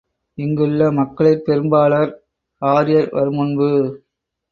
இங்குள்ள மக்களிற் பெரும்பாலார் ஆரியர் வருமுன்பு